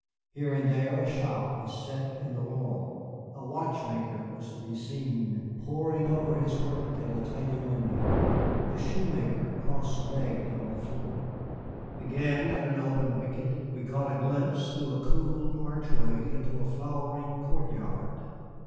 Here and there a shop was set in the wall; a watchmaker was to be seen poring over his work at a tiny window, a shoemaker cross legged on the floor. Again, at an open wicket, we caught a glimpse through a cool archway into a flowering court yard.